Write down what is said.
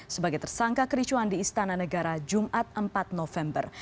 sebagai tersangka kericuan di istana negara jumat empat november